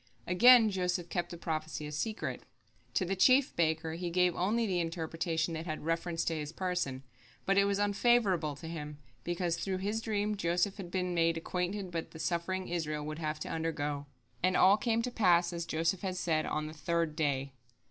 Again Joseph kept the prophecy a secret. To the chief baker he gave only the interpretation that had reference to his person, but it was unfavorable to him, because through his dream Joseph had been made acquainted with the suffering Israel would have to undergo. And all came to pass, as Joseph had said, on the third day.